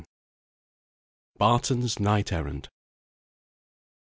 BARTON'S NIGHT ERRAND.